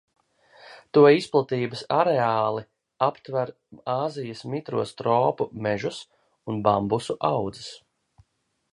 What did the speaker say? To izplatības areāli aptver Āzijas mitros tropu mežus un bambusu audzes.